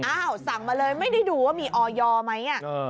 สั่งมาเลยไม่ได้ดูว่ามีออยไหม